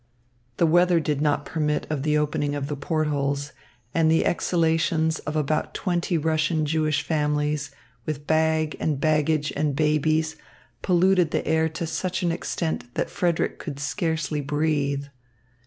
The weather did not permit of the opening of the port holes, and the exhalations of about twenty Russian Jewish families, with bag and baggage and babies, polluted the air to such an extent, that Frederick could scarcely breathe.